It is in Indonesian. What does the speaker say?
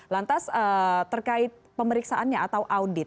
lantas terkait pemeriksaannya atau audit